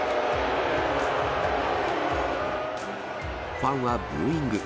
ファンはブーイング。